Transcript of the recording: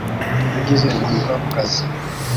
Yagize impanuka ku kazi